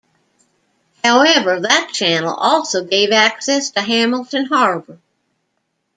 However, that channel also gave access to Hamilton Harbour.